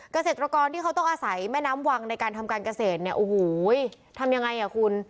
เกษตรกรที่เขาต้องอาศัยแม่น้ำวังในการทำการเกษตรเนี่ยโอ้โหทำยังไงอ่ะคุณ